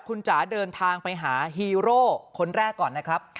คุณจ๋าเดินทางไปหาฮีโร่คนแรกก่อนนะครับ